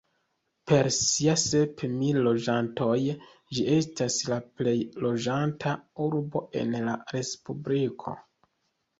Per sia sep mil loĝantoj ĝi estas la plej loĝata urbo en la respubliko.